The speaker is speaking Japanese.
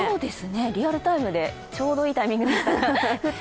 リアルタイムで、ちょうどいいタイミングでした。